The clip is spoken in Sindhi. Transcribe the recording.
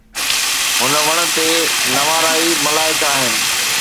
هن وڻ تي نواراڻي ملائڪ آهن.